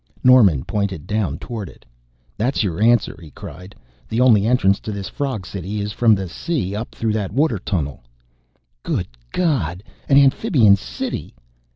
Norman pointed down toward it. "That's your answer!" he cried. "The only entrance to this frog city is from the sea, up through that water tunnel!" "Good God, an amphibian city!"